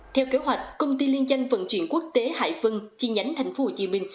theo kế hoạch công ty liên danh vận chuyển quốc tế hải vân chi nhánh thành phố hồ chí minh